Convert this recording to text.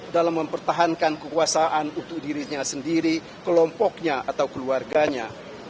dalam mempertahankan kekuasaan untuk dirinya sendiri kelompoknya atau keluarganya